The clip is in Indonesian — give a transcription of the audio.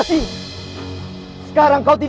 aku akan menangkanmu